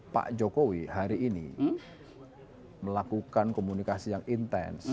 pak jokowi hari ini melakukan komunikasi yang intens